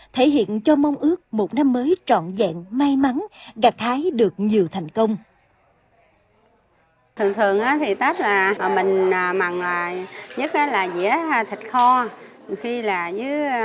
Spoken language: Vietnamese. thể hiện cho mong ước một năm mới trọn dạng may mắn gặt thái được nhiều thành công